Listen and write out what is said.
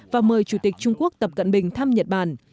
và mời chủ tịch trung quốc tập cận bình thăm nhật bản